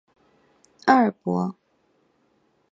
厄尔伯。